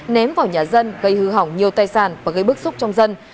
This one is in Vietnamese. ném vào nhà dân gây hư hỏng nhiều tài sản và gây bức xúc trong dân